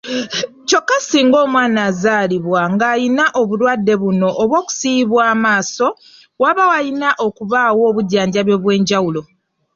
Kyokka singa omwana azaalibwa ng'ayina obulwadde buno obw'okusiiyibwa amaaso, waba wayina okubaawo obujjanjabi obw'enjawulo